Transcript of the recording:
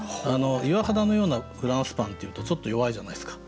「岩肌のようなフランスパン」って言うとちょっと弱いじゃないですか。